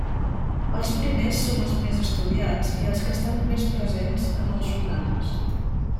Els primers són els més estudiats i els que estan més presents en els humans.